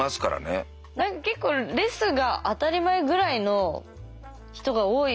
何か結構レスが当たり前ぐらいの人が多いよね。